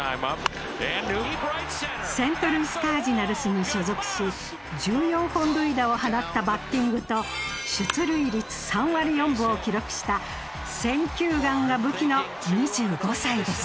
セントルイス・カージナルスに所属し１４本塁打を放ったバッティングと出塁率３割４分を記録した選球眼が武器の２５歳です。